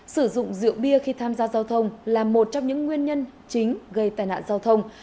sử dụng rượu bia khi tham gia giao thông là một trong những nguyên nhân chính gây tai nạn giao thông